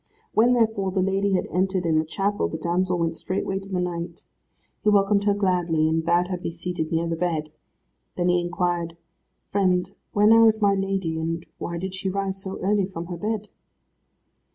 When, therefore, the lady had entered in the chapel, the damsel went straightway to the knight. He welcomed her gladly, and bade her be seated near the bed. Then he inquired, "Friend, where now is my lady, and why did she rise so early from her bed?"